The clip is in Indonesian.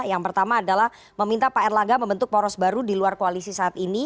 yang pertama adalah meminta pak erlangga membentuk poros baru di luar koalisi saat ini